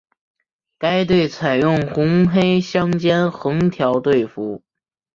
该队采用红黑相间横条队服。